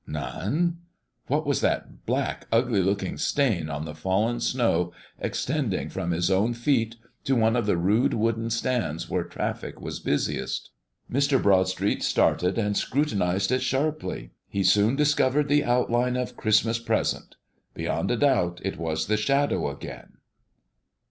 None? What was that black ugly looking stain on the fallen snow, extending from his own feet to one of the rude wooden stands where traffic was busiest? Mr. Broadstreet started, and scrutinized it sharply. He soon discovered the outline of Christmas Present. Beyond a doubt it was the Shadow again.